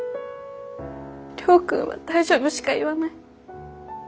亮君は大丈夫しか言わない。